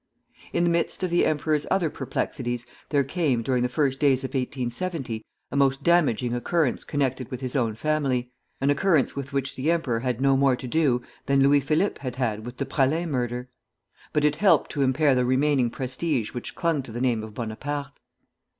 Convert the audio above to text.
In the midst of the emperor's other perplexities, there came, during the first days of 1870, a most damaging occurrence connected with his own family, an occurrence with which the emperor had no more to do than Louis Philippe had had with the Praslin murder; but it helped to impair the remaining prestige which clung to the name of Bonaparte.